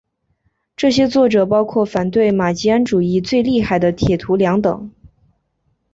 这些作者包括反对马吉安主义最厉害的铁徒良等。